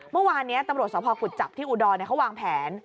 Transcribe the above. เมื่อวานนี้ตำรวจสภกุจจับที่อุดรเขาวางแผน